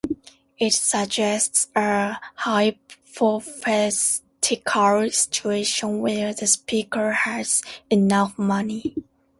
It suggests a hypothetical situation where the speaker has enough money.